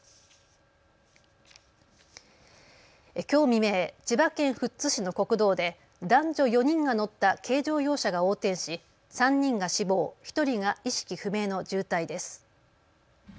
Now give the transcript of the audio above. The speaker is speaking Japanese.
きょう未明、千葉県富津市の国道で男女４人が乗った軽乗用車が横転し３人が死亡、１人が意識不明の重体です。